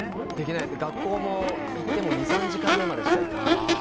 学校も行っても２、３時間目までしかいなくて。